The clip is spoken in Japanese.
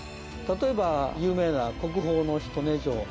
例えば、有名な国宝の彦根城。